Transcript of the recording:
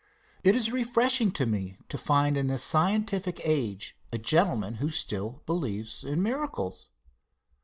It is refreshing to me to find in this scientific age a gentleman who still believes in miracles.